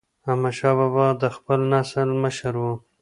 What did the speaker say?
احمدشاه بابا د خپل نسل مشر و.